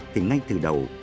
thì ngay từ đầu